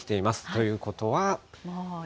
ということは。